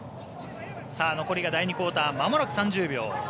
残りが第２クオーターまもなく３０秒。